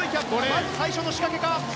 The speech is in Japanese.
まず最初の仕掛けか。